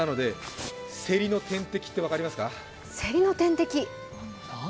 セリの天敵って分かりますか？